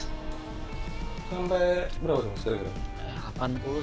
sampai berapa kira kira